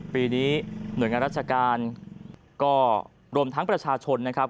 ปีนี้หน่วยงานราชการก็รวมทั้งประชาชนนะครับ